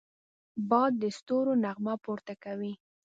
باد د ستورو نغمه پورته کوي